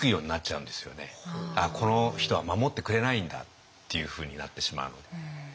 あっこの人は守ってくれないんだっていうふうになってしまうので。